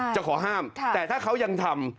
จะขอห้ามแต่ถ้าเขายังทำ